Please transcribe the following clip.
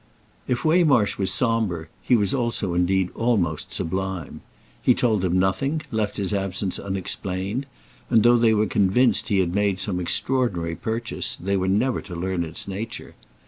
If Waymarsh was sombre he was also indeed almost sublime. He told them nothing, left his absence unexplained, and though they were convinced he had made some extraordinary purchase they were never to learn its nature.